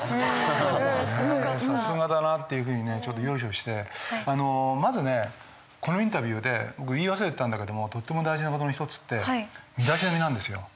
さすがだなっていうふうにちょっとよいしょしてあのまずねこのインタビューで僕言い忘れてたんだけどもとっても大事な事の一つって身だしなみなんですよ。